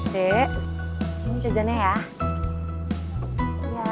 dek ini kerjanya ya